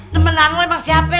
temenan lo emang siapa